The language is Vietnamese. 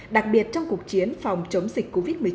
đặc biệt trong cuộc chiến phòng chống dịch covid một mươi chín